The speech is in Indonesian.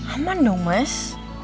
aman dong mes